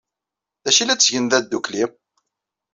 D acu ay la ttgen da ddukkli?